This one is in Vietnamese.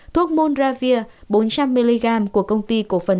thuốc monravir bốn trăm linh mg của công ty cổ phần